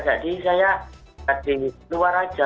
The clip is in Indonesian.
jadi saya di luar saja